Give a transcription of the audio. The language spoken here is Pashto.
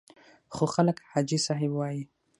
خو خلک حاجي صاحب وایي.